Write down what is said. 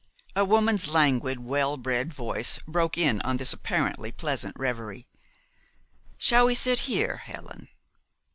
A woman's languid, well bred voice broke in on this apparently pleasant reverie. "Shall we sit here, Helen?"